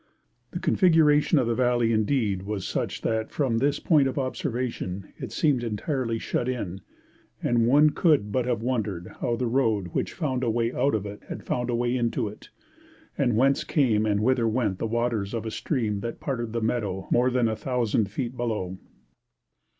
The configuration of the valley, indeed, was such that from this point of observation it seemed entirely shut in, and one could not but have wondered how the road which found a way out of it had found a way into it, and whence came and whither went the waters of the stream that parted the meadow two thousand feet below.